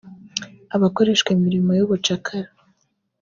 abakoreshwa imirimo y’ubucakara